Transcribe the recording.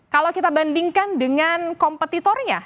kalau kita bandingkan dengan kompetitornya